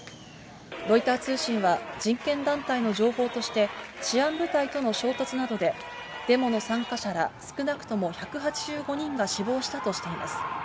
ロイター通信は、人権団体の情報として、治安部隊との衝突などで、デモの参加者ら少なくとも１８５人が死亡したとしています。